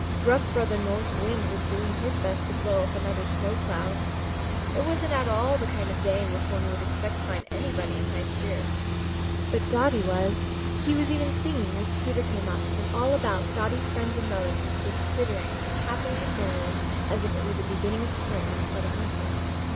Rough Brother North Wind was doing his best to blow up another snow cloud. It wasn't at all the kind of day in which one would expect to find anybody in high spirits. But Dotty was. He was even singing as Peter came up, and all about Dotty's friends and relatives were twittering as happily and merrily as if it were the beginning of spring instead of winter.